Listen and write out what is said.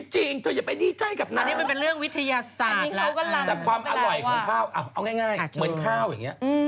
จริงถ้าอย่าไปนี่ใจกับน้ำแต่ความอร่อยของข้าวเอาง่ายเหมือนข้าวอย่างนี้